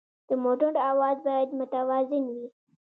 د موټر اواز باید متوازن وي.